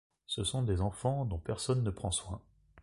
Ce sont des enfants dont personne ne prend soin.